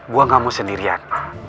gue gak mau sendirian